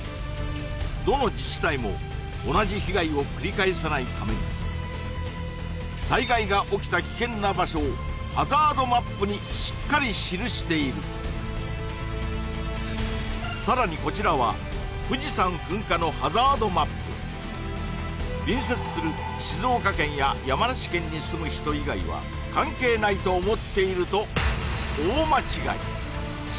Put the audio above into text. どの自治体も同じ被害を繰り返さないために災害が起きた危険な場所をハザードマップにしっかり記しているさらにこちらは隣接する静岡県や山梨県に住む人以外は関係ないと思っていると大間違い